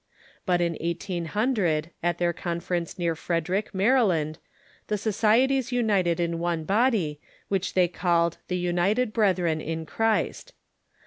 But in 1800, at their conference near Frederick, Mary land, the societies united in one body, Avhich they called the "United Brethren in Christ."